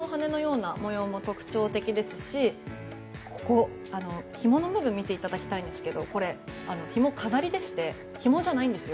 こちらの靴はこちらの羽のような模様も特徴的ですしひもの部分見ていただきたいんですけどひもは飾りでしてひもじゃないんです。